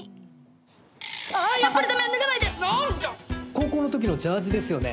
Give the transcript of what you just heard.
高校の時のジャージですよね。